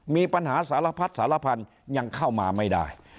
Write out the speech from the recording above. มีปัญหาสารพัดสารพันธุ์ยังเข้ามาไม่ได้